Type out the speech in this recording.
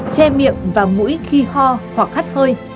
che miệng và mũi khi ho hoặc khát hơi